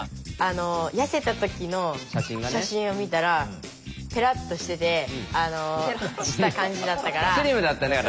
痩せた時の写真を見たらぺらっとしててした感じだったから。